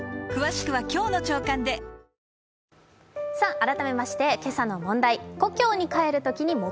改めまして今朝の問題。